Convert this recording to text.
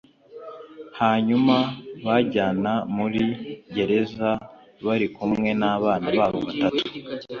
hanyuma babajyana muri gereza bari kumwe n’ abana babo batatu